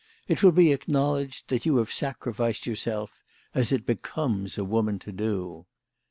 It will be acknowledged that you have sacrificed your self, as it becomes a woman to do.